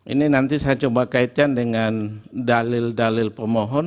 ini nanti saya coba kaitkan dengan dalil dalil pemohon